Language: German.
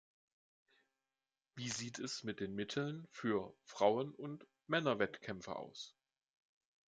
Wie sieht es mit den Mitteln für Frauen- und Männerwettkämpfe aus?